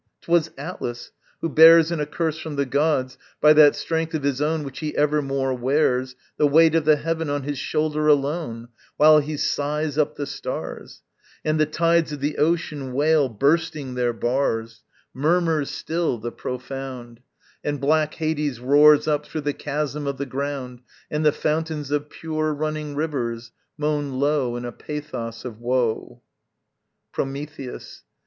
'twas Atlas, who bears In a curse from the gods, by that strength of his own Which he evermore wears, The weight of the heaven on his shoulder alone, While he sighs up the stars; And the tides of the ocean wail bursting their bars, Murmurs still the profound, And black Hades roars up through the chasm of the ground, And the fountains of pure running rivers moan low In a pathos of woe. _Prometheus.